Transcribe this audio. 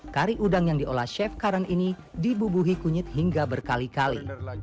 kari udang yang diolah chef karan ini dibubuhi kunyit hingga berkali kali